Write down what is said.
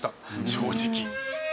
正直。